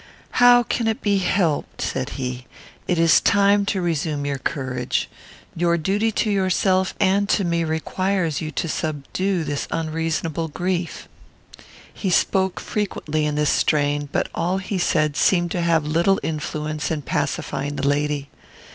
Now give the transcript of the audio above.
"How can it be helped?" said he. "It is time to resume your courage. Your duty to yourself and to me requires you to subdue this unreasonable grief." He spoke frequently in this strain, but all he said seemed to have little influence in pacifying the lady.